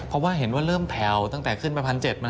เพราะว่าเห็นว่าเริ่มแผ่วตั้งแต่ขึ้นไป๑๗๐๐